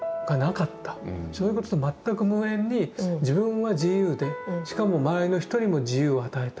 そういうことと全く無縁に自分は自由でしかも周りの人にも自由を与えた。